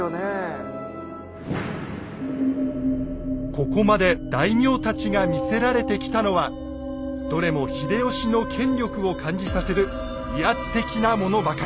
ここまで大名たちが見せられてきたのはどれも秀吉の権力を感じさせる威圧的なものばかり。